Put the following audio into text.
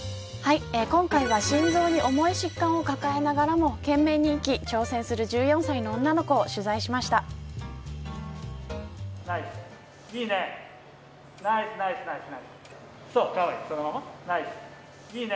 今回は心臓に重い疾患を抱えながらも懸命に生き挑戦する１４歳の女の子をいいね。